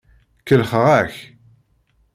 Kellxeɣ-ak.